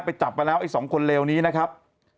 จับมาแล้วไอ้๒คนเลวนี้นะครับ